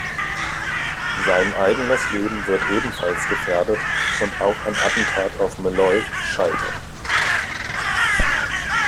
Sein eigenes Leben wird ebenfalls gefährdet, und auch ein Attentat auf Malloy scheitert.